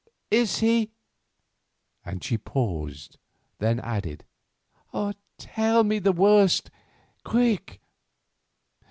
Is he—" and she paused, then added: "tell me the worst—quick."